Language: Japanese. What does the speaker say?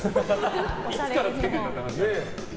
いつからつけてんだって話だから。